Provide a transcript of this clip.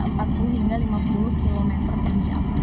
mencapai hingga empat puluh lima puluh km per jam